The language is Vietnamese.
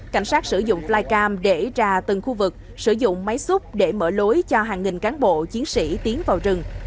cảnh sát sử dụng flycam để ra từng khu vực sử dụng máy xúc để mở lối cho hàng nghìn cán bộ chiến sĩ tiến vào rừng